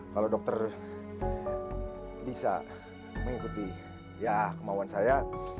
kalau dokter bisa mengikuti ya kemauan saya